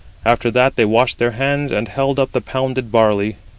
After that they washed their hands, and held up the pounded barley.